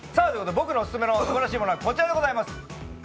僕のオススメのすばらしいものはこちらでございます。